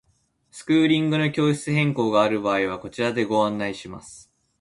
スクーリングの教室変更がある場合はこちらでご案内します。